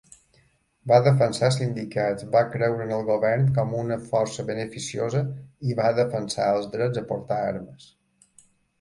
Va defensar sindicats, va creure en el govern com una força beneficiosa i va defensar els drets a portar armes.